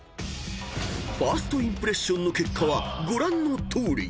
［１ｓｔインプレッションの結果はご覧のとおり］